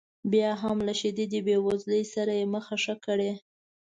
بیا هم له شدیدې بې وزلۍ سره یې مخه ښه کړې.